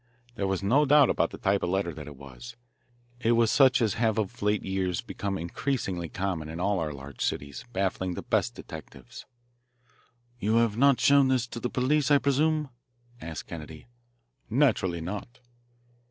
There was no doubt about the type of letter that it was. It was such as have of late years become increasingly common in all our large cities, baffling the best detectives. "You have not showed this to the police, I presume?" asked Kennedy. "Naturally not."